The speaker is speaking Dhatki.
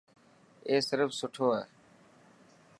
اي سرف سٺو هي.